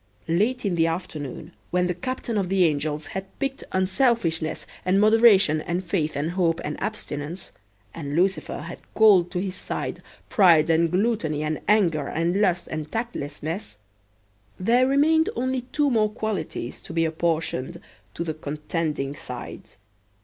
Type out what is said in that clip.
Late in the afternoon when the Captain of the Angels had picked Unselfishness and Moderation and Faith and Hope and Abstinence, and Lucifer had called to his side Pride and Gluttony and Anger and Lust and Tactlessness, there remained only two more qualities to be apportioned to the contending sides.